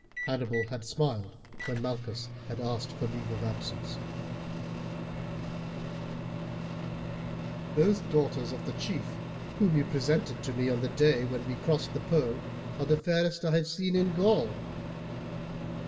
Hannibal had smiled when Malchus had asked for leave of absence. "Those daughters of the chief whom you presented to me on the day when we crossed the Po are the fairest I have seen in Gaul.